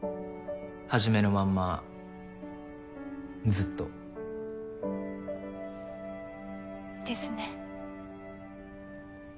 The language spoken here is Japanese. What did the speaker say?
初めのまんまずっと。ですね。